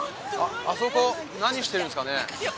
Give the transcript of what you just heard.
あそこ何してるんですかね？